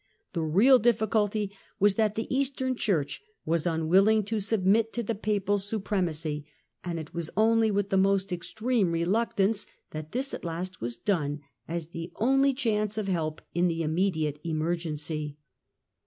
The real difficulty was that the Eastern Church was unwilling to submit to the Papal Supremacy, and it was only with the most extreme re luctance that this at last was done, as the only chance Council of help in the immediate emergency.